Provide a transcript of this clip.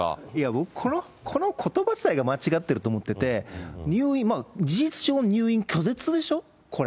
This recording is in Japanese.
僕、このことば自体が間違っていると思ってて、事実上、入院拒絶でしょ、これ。